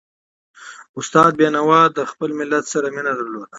استاد بينوا د خپل ملت سره مینه درلوده.